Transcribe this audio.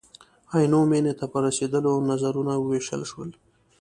عینو مېنې ته په رسېدلو نظرونه ووېشل شول.